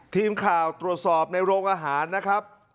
ทีมข่าวตรวจสอบในโรงอาหารนะครับ